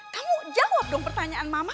kamu jawab dong pertanyaan mama